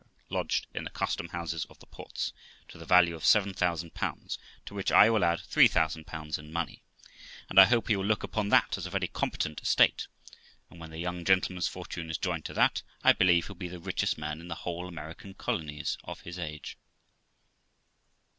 lodged in the custom houses of the ports, to the value of , 7000, to which I will add 3000 in money, and I hope you will look upon that as a very competent estate; and when the young gentleman's fortune is joined to that, I believe he will be the richest man in the whole American colonies of his age.'